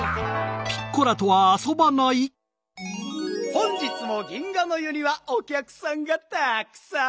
本日も銀河ノ湯にはおきゃくさんがたっくさん。